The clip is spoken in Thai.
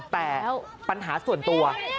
แต่ปัญหาส่วนตัว